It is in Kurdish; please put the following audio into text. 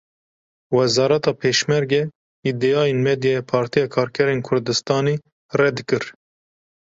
Wezareta Pêşmerge îdiayên medyaya Partiya Karkerên Kurdistanê red kir.